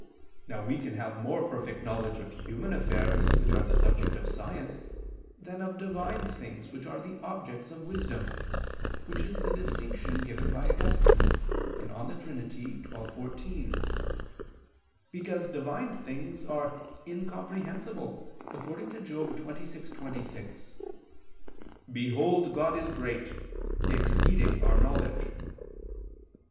Now we can have more perfect knowledge of human affairs, which are the subject of science, than of Divine things, which are the object of wisdom, which is the distinction given by Augustine (De Trin. xii, 14): because Divine things are incomprehensible, according to Job 26:26: "Behold God is great, exceeding our knowledge."